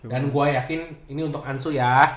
dan gue yakin ini untuk ansu ya